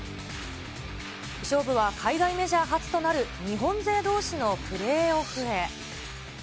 勝負は海外メジャー初となる日本勢どうしのプレーオフへ。